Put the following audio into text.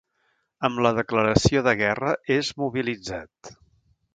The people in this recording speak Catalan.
Amb la declaració de guerra, és mobilitzat.